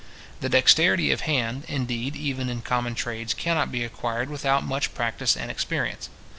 The dexterity of hand, indeed, even in common trades, cannot be acquired without much practice and experience.